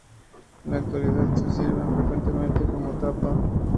En la actualidad se sirven frecuentemente como tapa.